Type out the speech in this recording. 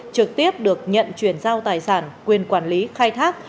trực tiếp được nhận chuyển giao tài sản quyền quản lý khai thác